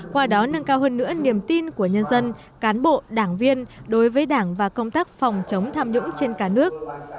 qua đó nâng cao hơn nữa niềm tin của nhân dân cán bộ đảng viên đối với đảng và công tác phòng chống tham nhũng trên cả nước